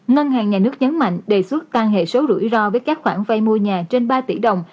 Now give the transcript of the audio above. ngân hàng nhà nước nhấn mạnh đề xuất tăng hệ số rủi ro với các khoản vay mua nhà trên ba tỷ đồng